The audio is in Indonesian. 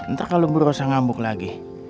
ntar kalau ibu rossa ngamuk lagi